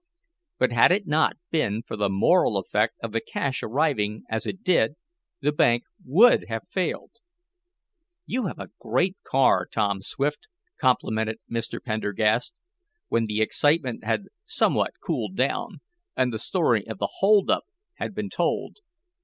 But had it not been for the moral effect of the cash arriving as it did, the bank would have failed. "You have a great car, Tom Swift," complimented Mr. Pendergast, when the excitement had somewhat cooled down, and the story of the hold up had been told.